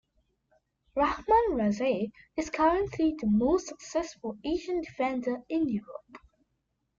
Rahman Rezaei is currently the most successful Asian defender in Europe.